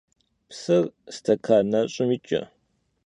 Psır stekan neş'ım yiç'e.